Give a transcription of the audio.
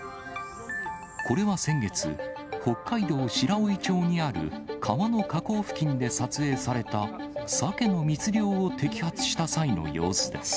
これは先月、北海道白老町にある川の河口付近で撮影された、サケの密漁を摘発した際の様子です。